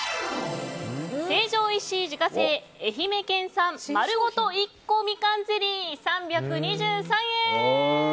成城石井自家製愛媛県産まるごと１個みかんゼリー、３２３円。